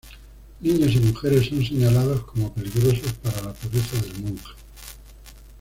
Niños y mujeres son señalados como peligrosos para la pureza del monje.